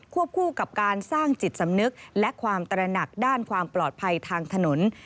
คู่กับการสร้างจิตสำนึกและความตระหนักด้านความปลอดภัยทางถนน